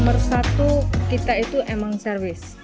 nomor satu kita itu emang servis